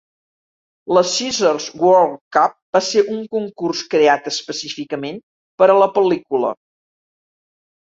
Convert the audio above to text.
La Caesars World Cup va ser un concurs creat específicament per a la pel·lícula.